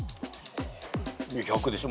１００でしょ？